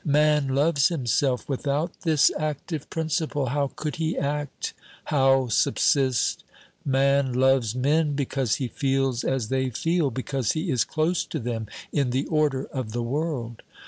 Man loves himself; without this active principle, how could he act, how subsist ? Man loves men because he feels as they feel, because he is close to them in the order of the world.